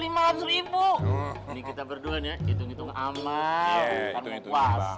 lima ratus ini kita berduanya itu itu amat itu itu